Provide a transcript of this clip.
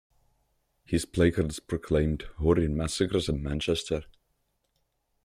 His placards proclaimed "Horrid Massacres at Manchester".